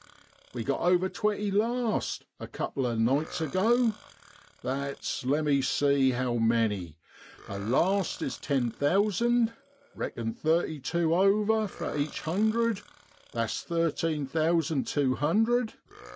We got over twenty last a couple o' nights ago, that's, lemme see, how many ? A last is ten thousand; reckin' NOVEMBER IN BROADLAND. 127 thirty tew over for every hundred, that's thirteen thousand tew hundred.